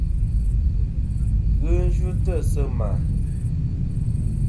Ghi yvɨtɨ sɨ ma.